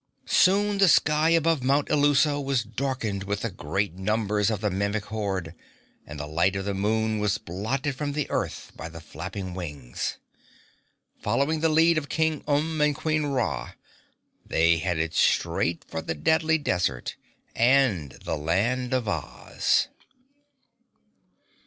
Soon the sky above Mount Illuso was darkened with the great numbers of the Mimic horde, and the light of the moon was blotted from the earth by the flapping wings. Following the lead of King Umb and Queen Ra, they headed straight for the Deadly Desert and the Land of Oz.